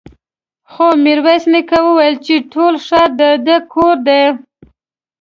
خو ميرويس نيکه وويل چې ټول ښار د ده کورنۍ ده.